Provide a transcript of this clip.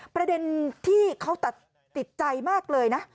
ประเด็นที่เขาติดใจมากเลยนะ